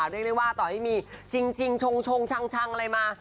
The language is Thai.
เรียกได้ว่าต่อให้มีชิงชงชังอะไรมา